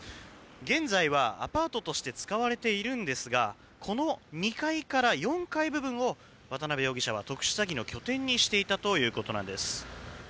現在はアパートとして使われているんですがこの２階から４階部分を渡邉容疑者は特殊詐欺の拠点にしていたということなんです。